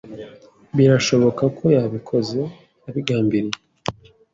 Birashoboka ko yabikoze abigambiriye.